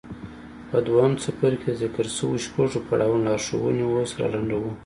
په دويم څپرکي کې د ذکر شويو شپږو پړاوونو لارښوونې اوس را لنډوو.